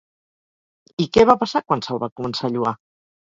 I què va passar quan se'l va començar a lloar?